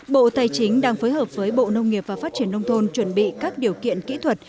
bộ tài chính đang phối hợp với bộ nông nghiệp và phát triển nông thôn chuẩn bị các điều kiện kỹ thuật